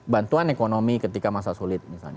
bantuan ekonomi ketika masa sulit misalnya